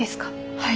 はい。